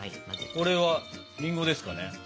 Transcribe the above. これはりんごですかね。